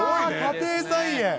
家庭菜園？